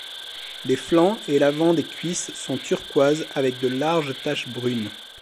Les flancs et l'avant des cuisses sont turquoise avec de larges taches brunes.